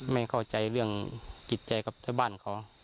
ไม่เข้าใจเรื่องกิจใจของบ้านเค้า